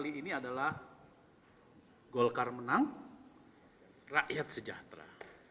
jadi hari ini adalah golkar menang rakyat sejahtera